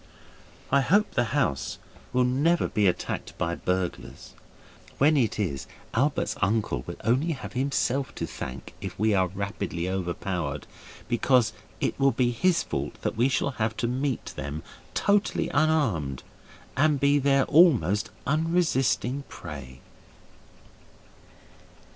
I hope the house will never be attacked by burglars. When it is, Albert's uncle will only have himself to thank if we are rapidly overpowered, because it will be his fault that we shall have to meet them totally unarmed, and be their almost unresisting prey.